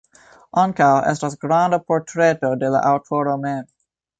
Ankaŭ estas granda portreto de la aŭtoro mem.